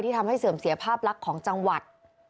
ทำให้เสื่อมเสียภาพลักษณ์ของจังหวัด